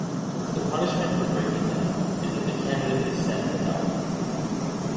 The punishment for breaking them is that the candidate is sent to Hell.